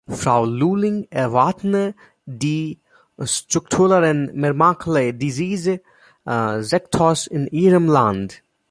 Frau Lulling erwähnte die strukturellen Merkmale dieses Sektors in ihrem Land.